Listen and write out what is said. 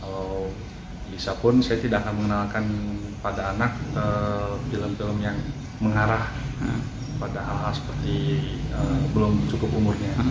misalkan saya tidak mengenalkan pada anak film film yang mengarah pada hal hal seperti belum cukup umurnya